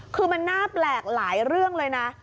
คือมันน่าแปลกหลายเรื่องเลยนะ